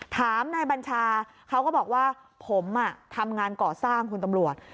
ถามนายบัญชาเขาก็บอกว่าผมทำงานก่อสร้างคุณตำรวจ